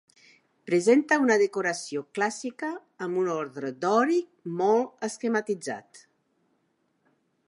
Presenta una decoració clàssica amb un ordre dòric molt esquematitzat.